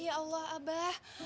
ya allah abah